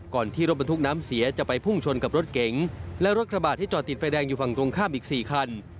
ที่รถบรรทุกน้ำเสียจะไปพุ่งชนกับรถเก๋งและรถกระบาดที่จอดติดไฟแดงอยู่ฝั่งตรงข้ามอีก๔คัน